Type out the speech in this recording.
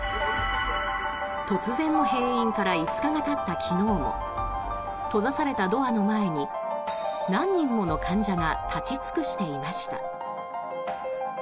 突然の閉院から５日がたった昨日も閉ざされたドアの前に何人もの患者が立ち尽くしていました。